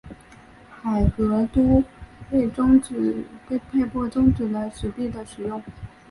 海合都被迫中止了纸币的使用。